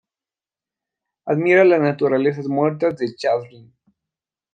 Admira las naturalezas muertas de Chardin.